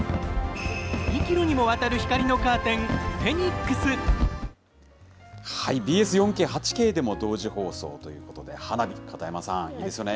２キロにもわたる光のカーテン、ＢＳ４Ｋ・８Ｋでも同時放送ということで、花火、片山さん、いいですよね。